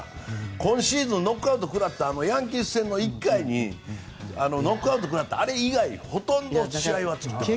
今シーズンノックアウト食らったヤンキース前の１回ノックアウト食らったあれ以外ほとんど試合は作っています。